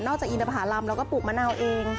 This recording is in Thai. จากอินทภารำเราก็ปลูกมะนาวเอง